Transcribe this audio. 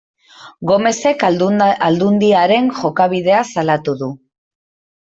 Gomezek Aldundiaren jokabidea salatu du.